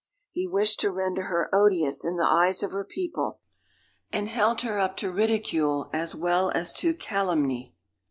He wished to render her odious in the eyes of her people, and held her up to ridicule as well as to calumny.